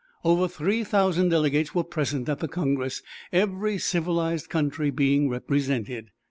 Over three thousand delegates were present at the Congress, every civilized country being represented.